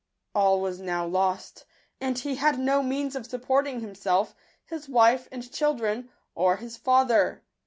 All was now lost, and he had no means of supporting himself, his wife and children, or his father.